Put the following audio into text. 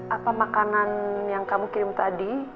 apa makanan yang kamu kirim tadi